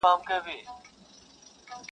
ښه او بد د قاضي ټول ورته عیان سو,